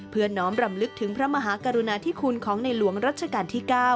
น้อมรำลึกถึงพระมหากรุณาธิคุณของในหลวงรัชกาลที่๙